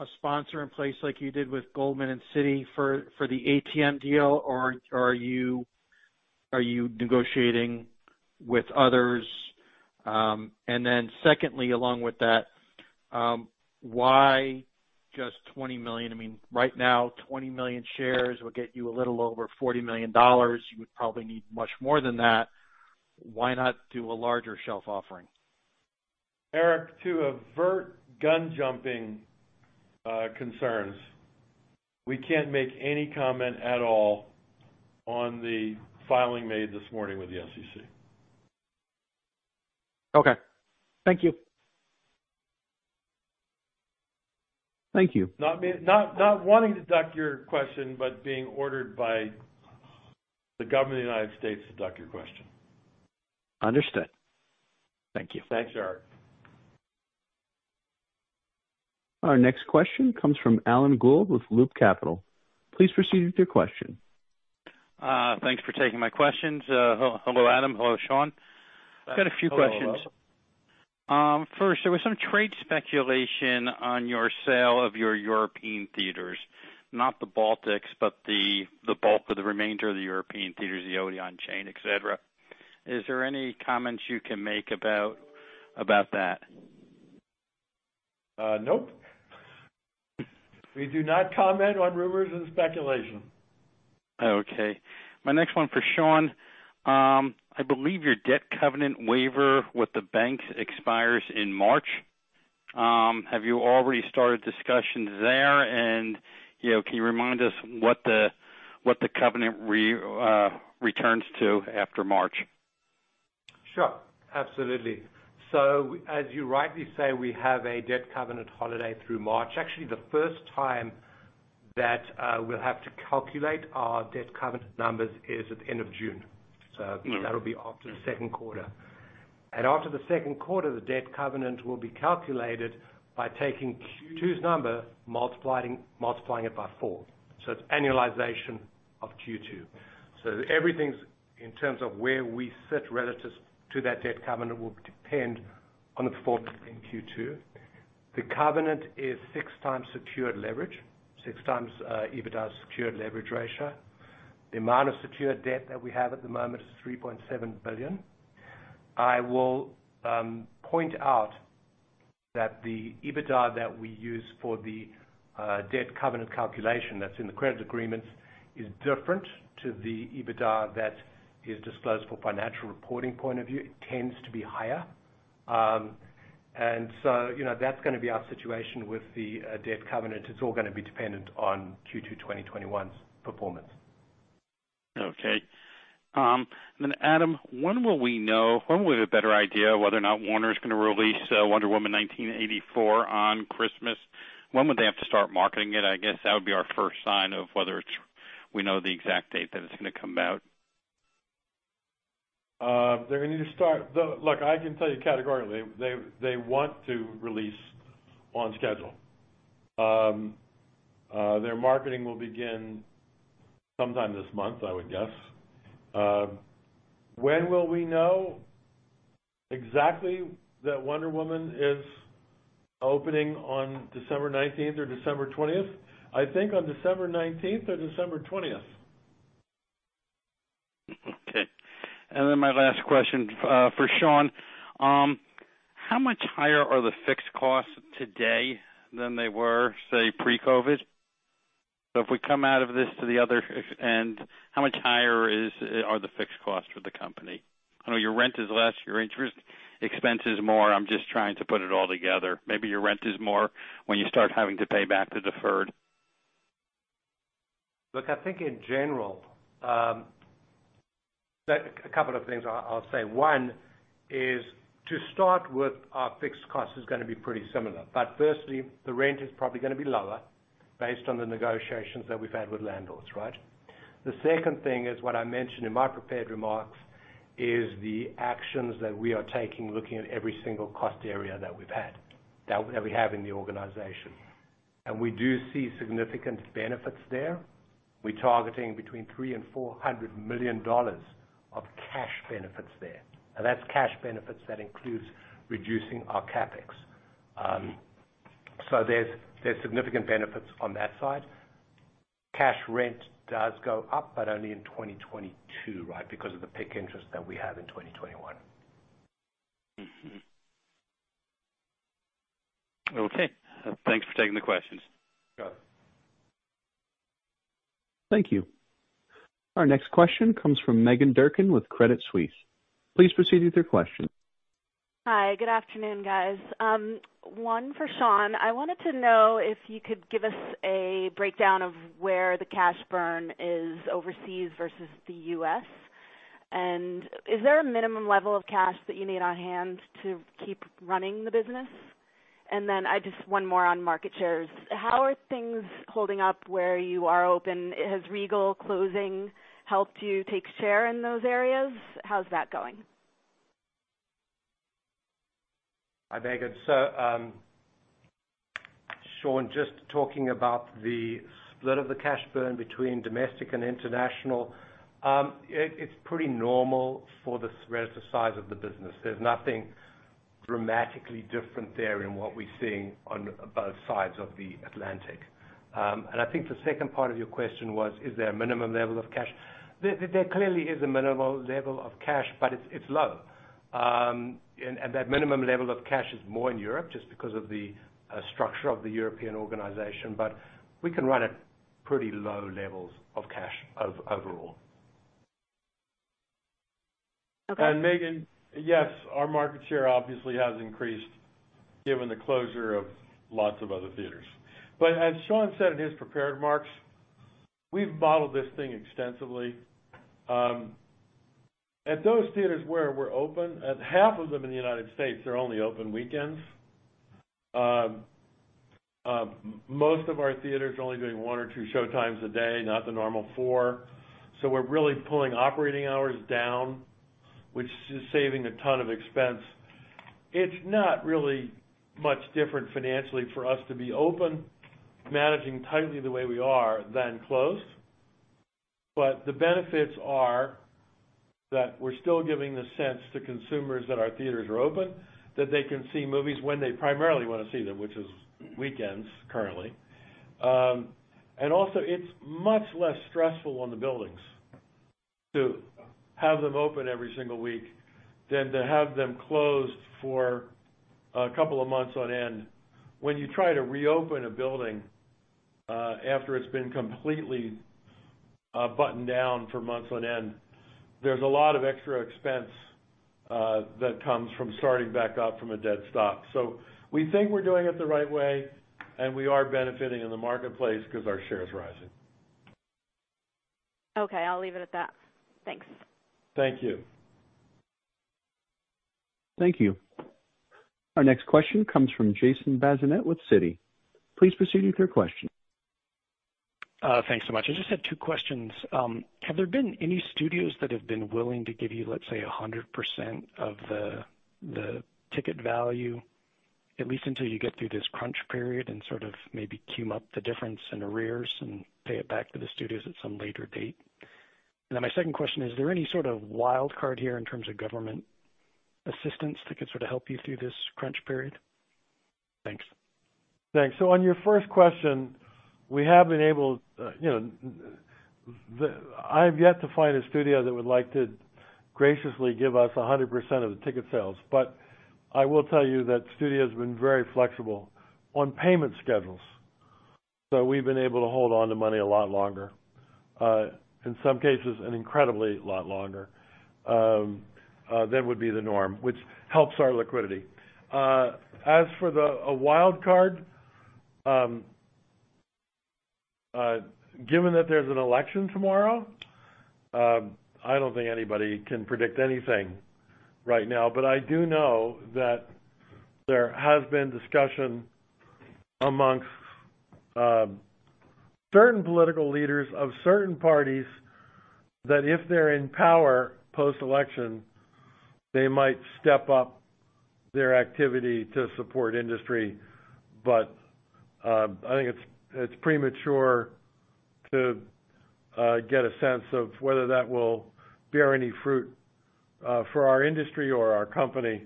a sponsor in place like you did with Goldman and Citi for the ATM deal, or are you negotiating with others? Secondly, along with that, why just $20 million? Right now, 20 million shares will get you a little over $40 million. You would probably need much more than that. Why not do a larger shelf offering? Eric, to avert gun-jumping concerns, we can't make any comment at all on the filing made this morning with the SEC. Okay. Thank you. Thank you. Not wanting to duck your question, but being ordered by the government of the United States to duck your question. Understood. Thank you. Thanks, Eric. Our next question comes from Alan Gould with Loop Capital. Please proceed with your question. Thanks for taking my questions. Hello, Adam. Hello, Sean. Hello, Alan. Got a few questions. First, there was some trade speculation on your sale of your European theaters. Not the Baltics, but the bulk of the remainder of the European theaters, the Odeon chain, et cetera. Is there any comments you can make about that? Nope. We do not comment on rumors and speculation. Okay. My next one for Sean. I believe your debt covenant waiver with the bank expires in March. Have you already started discussions there? Can you remind us what the covenant returns to after March? Sure. Absolutely. As you rightly say, we have a debt covenant holiday through March. Actually, the first time that we'll have to calculate our debt covenant numbers is at the end of June. That'll be after the second quarter. After the second quarter, the debt covenant will be calculated by taking Q2's number, multiplying it by four. It's annualization of Q2. Everything in terms of where we sit relative to that debt covenant will depend on the performance in Q2. The covenant is 6x secured leverage, 6x EBITDA's secured leverage ratio. The amount of secured debt that we have at the moment is $3.7 billion. I will point out that the EBITDA that we use for the debt covenant calculation that's in the credit agreements is different to the EBITDA that is disclosed for financial reporting point of view. It tends to be higher. That's going to be our situation with the debt covenant. It's all going to be dependent on Q2 2021's performance. Okay. Then Adam, when will we have a better idea of whether or not Warner's going to release "Wonder Woman 1984" on Christmas? When would they have to start marketing it? I guess that would be our first sign of whether we know the exact date that it's going to come out. Look, I can tell you categorically, they want to release on schedule. Their marketing will begin sometime this month, I would guess. When will we know exactly that Wonder Woman is opening on December 19th or December 20th? I think on December 19th or December 20th. Okay. My last question for Sean. How much higher are the fixed costs today than they were, say, pre-COVID-19? If we come out of this to the other end, how much higher are the fixed costs for the company? I know your rent is less, your interest expense is more. I am just trying to put it all together. Maybe your rent is more when you start having to pay back the deferred. Look, I think in general, a couple of things I'll say. One is to start with our fixed costs is going to be pretty similar. Firstly, the rent is probably going to be lower based on the negotiations that we've had with landlords, right? The second thing is what I mentioned in my prepared remarks is the actions that we are taking looking at every single cost area that we have in the organization. We do see significant benefits there. We're targeting between $300 million and $400 million of cash benefits there. That's cash benefits that includes reducing our CapEx. There's significant benefits on that side. Cash rent does go up, but only in 2022, right, because of the PIK interest that we have in 2021. Okay. Thanks for taking the questions. Sure. Thank you. Our next question comes from Meghan Durkin with Credit Suisse. Please proceed with your question. Hi. Good afternoon, guys. One for Sean. I wanted to know if you could give us a breakdown of where the cash burn is overseas versus the U.S. Is there a minimum level of cash that you need on hand to keep running the business? Then just one more on market shares. How are things holding up where you are open? Has Regal closing helped you take share in those areas? How's that going? Hi, Meghan. Sean, just talking about the split of the cash burn between domestic and international. It's pretty normal for the size of the business. There's nothing dramatically different there in what we're seeing on both sides of the Atlantic. I think the second part of your question was, is there a minimum level of cash? There clearly is a minimal level of cash, but it's low. That minimum level of cash is more in Europe just because of the structure of the European organization. We can run at pretty low levels of cash overall. Okay. Meghan, yes, our market share obviously has increased given the closure of lots of other theaters. As Sean said in his prepared remarks, we've modeled this thing extensively. At those theaters where we're open, at half of them in the United States, they're only open weekends. Most of our theaters are only doing one or two showtimes a day, not the normal four. We're really pulling operating hours down, which is saving a ton of expense. It's not really much different financially for us to be open, managing tightly the way we are, than closed. The benefits are that we're still giving the sense to consumers that our theaters are open, that they can see movies when they primarily want to see them, which is weekends currently. Also, it's much less stressful on the buildings to have them open every single week than to have them closed for a couple of months on end. When you try to reopen a building after it's been completely buttoned down for months on end, there's a lot of extra expense that comes from starting back up from a dead stop. We think we're doing it the right way, and we are benefiting in the marketplace because our share is rising. Okay, I'll leave it at that. Thanks. Thank you. Thank you. Our next question comes from Jason Bazinet with Citi. Please proceed with your question. Thanks so much. I just had two questions. Have there been any studios that have been willing to give you, let's say, 100% of the ticket value, at least until you get through this crunch period and sort of maybe queue up the difference in arrears and pay it back to the studios at some later date? My second question, is there any sort of wild card here in terms of government assistance that could sort of help you through this crunch period? Thanks. Thanks. On your first question, I have yet to find a studio that would like to graciously give us 100% of the ticket sales. I will tell you that studios have been very flexible on payment schedules. We've been able to hold on to money a lot longer. In some cases, an incredibly lot longer than would be the norm, which helps our liquidity. As for a wild card, given that there's an election tomorrow, I don't think anybody can predict anything right now. I do know that there has been discussion amongst certain political leaders of certain parties that if they're in power post-election, they might step up their activity to support industry. I think it's premature to get a sense of whether that will bear any fruit for our industry or our company,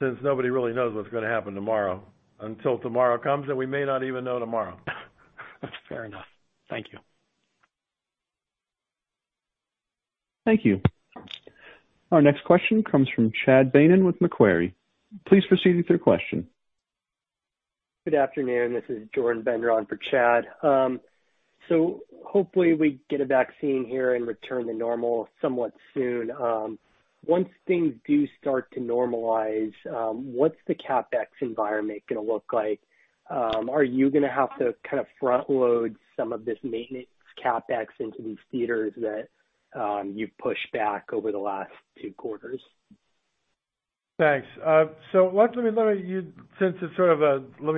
since nobody really knows what's going to happen tomorrow. Until tomorrow comes, and we may not even know tomorrow. Fair enough. Thank you. Thank you. Our next question comes from Chad Beynon with Macquarie. Please proceed with your question. Good afternoon. This is Jordan Bender on for Chad. Hopefully we get a vaccine here and return to normal somewhat soon. Once things do start to normalize, what's the CapEx environment going to look like? Are you going to have to kind of front-load some of this maintenance CapEx into these theaters that you've pushed back over the last two quarters? Thanks. Let me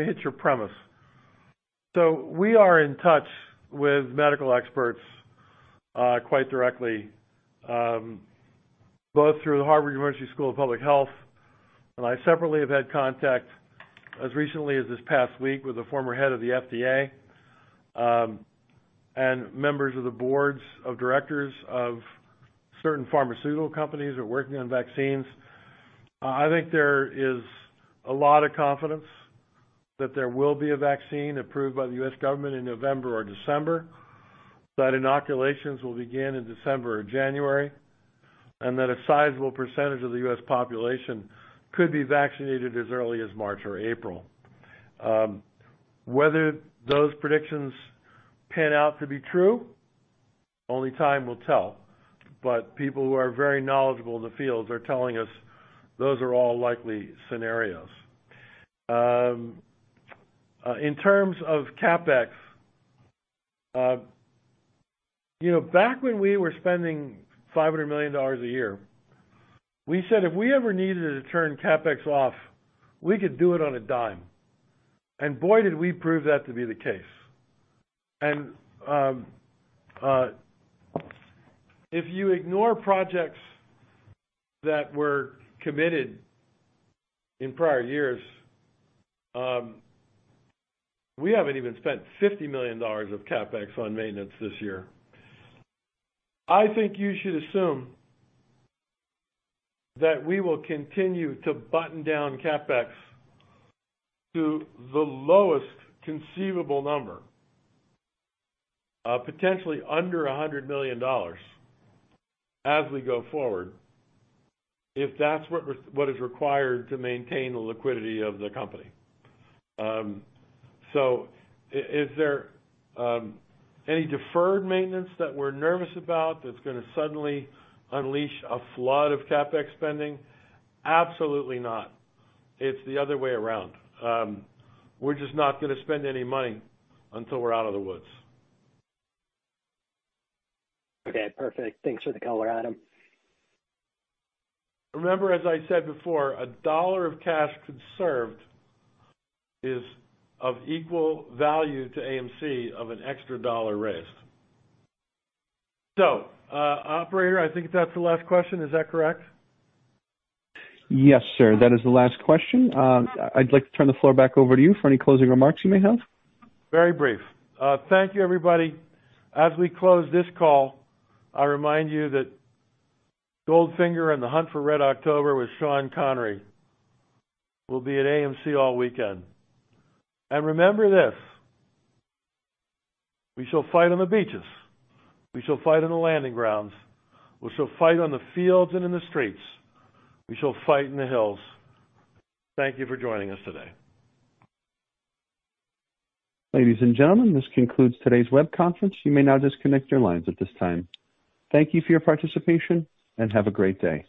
hit your premise. We are in touch with medical experts quite directly, both through the Harvard University School of Public Health, and I separately have had contact as recently as this past week with a former head of the FDA. Members of the boards of directors of certain pharmaceutical companies are working on vaccines. I think there is a lot of confidence that there will be a vaccine approved by the U.S. government in November or December, that inoculations will begin in December or January, and that a sizable percentage of the U.S. population could be vaccinated as early as March or April. Whether those predictions pan out to be true, only time will tell. People who are very knowledgeable in the field are telling us those are all likely scenarios. In terms of CapEx, back when we were spending $500 million a year, we said if we ever needed to turn CapEx off, we could do it on a dime. Boy, did we prove that to be the case. If you ignore projects that were committed in prior years, we haven't even spent $50 million of CapEx on maintenance this year. I think you should assume that we will continue to button down CapEx to the lowest conceivable number, potentially under $100 million as we go forward, if that's what is required to maintain the liquidity of the company. Is there any deferred maintenance that we're nervous about that's going to suddenly unleash a flood of CapEx spending? Absolutely not. It's the other way around. We're just not going to spend any money until we're out of the woods. Okay, perfect. Thanks for the color, Adam. Remember, as I said before, a dollar of cash conserved is of equal value to AMC of an extra dollar raised. Operator, I think that's the last question. Is that correct? Yes, sir. That is the last question. I'd like to turn the floor back over to you for any closing remarks you may have. Very brief. Thank you, everybody. As we close this call, I remind you that "Goldfinger" and "The Hunt for Red October" with Sean Connery will be at AMC all weekend. Remember this: we shall fight on the beaches, we shall fight on the landing grounds, we shall fight on the fields and in the streets, we shall fight in the hills. Thank you for joining us today. Ladies and gentlemen, this concludes today's web conference. You may now disconnect your lines at this time. Thank you for your participation, and have a great day.